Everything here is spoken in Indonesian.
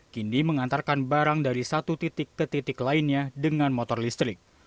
kini mengantarkan barang dari satu titik ke titik lainnya dengan motor listrik